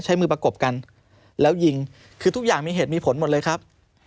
ใช้มือประกบกันแล้วยิงคือทุกอย่างมีเหตุมีผลหมดเลยครับ